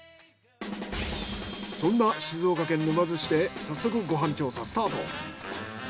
そんな静岡県沼津市で早速ご飯調査スタート。